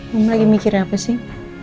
mama lagi mikir apa sih